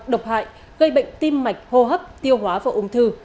độc hại gây bệnh tim mạch hô hấp tiêu hóa và ung thư